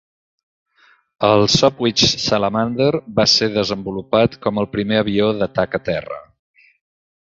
El Sopwith Salamander va ser desenvolupat com el primer avió d'atac a terra.